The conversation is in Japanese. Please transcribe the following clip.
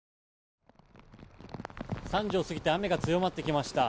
３時を過ぎて雨が強まってきました。